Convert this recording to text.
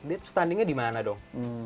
dia tuh pertandingan dimana dong